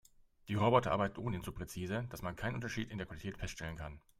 Die Roboter arbeiten ohnehin so präzise, dass man keinen Unterschied in der Qualität feststellen kann.